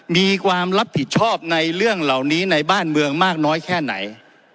มีความรับผิดชอบในเรื่องเหล่านี้ในบ้านเมืองมากน้อยแค่ไหน